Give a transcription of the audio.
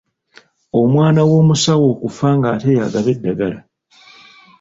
Omwana w’omusawo okufa ng’ate y’agaba eddagala.